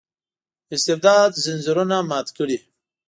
استبداد ځنځیرونه مات کړي.